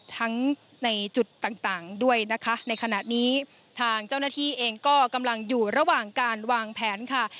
ทั้งในจุดต่างต่างด้วยนะคะในขณะนี้ทางเจ้าหน้าที่เองก็กำลังอยู่ระหว่างการวางแผนค่ะ